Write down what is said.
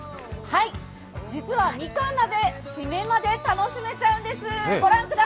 実はみかん鍋、締めまで楽しめちゃうんです。